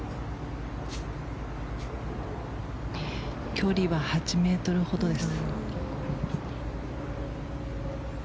距離は８ｍほどです。